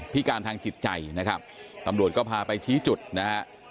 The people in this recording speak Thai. พิการทางจิตใจนะครับตำรวจก็พาไปชี้จุดนะฮะ